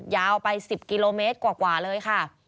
ยาวไป๑๐กิโลเมตรกว่าเลยค่ะ